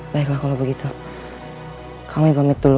baiklah kalau begitu kami pamit dulu